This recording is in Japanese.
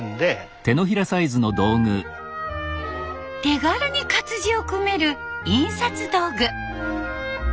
手軽に活字を組める印刷道具。